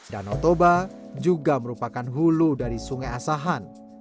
danau toba juga merupakan hulu dari sungai asahan